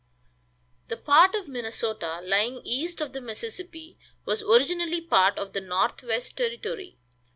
The part of Minnesota lying east of the Mississippi was originally part of the Northwest Territory.